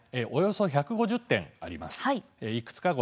およそ１５０点あります。